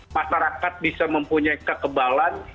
masyarakat bisa mempunyai kekebalan